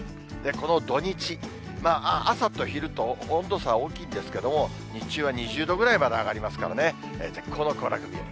この土日、朝と昼と温度差大きいんですけれども、日中は２０度ぐらいまで上がりますからね、絶好の行楽日和。